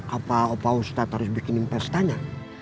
apa opa ustad harus bikin investanya